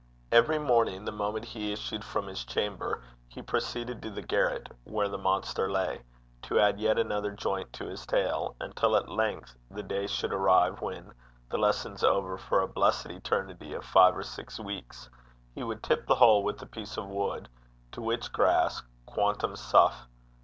Every morning, the moment he issued from his chamber, he proceeded to the garret where the monster lay, to add yet another joint to his tail, until at length the day should arrive when, the lessons over for a blessed eternity of five or six weeks, he would tip the whole with a piece of wood, to which grass, quantum suff.